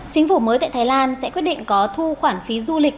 chính phủ mới tại thái lan sẽ quyết định có thu khoản phí du lịch